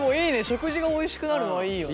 食事がおいしくなるのはいいよね。